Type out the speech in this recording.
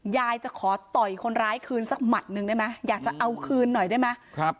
ยายจะขอต่อยคนร้ายคืนสักหมัดหนึ่งได้ไหมอยากจะเอาคืนหน่อยได้ไหมครับ